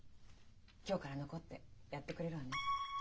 今日から残ってやってくれるわね？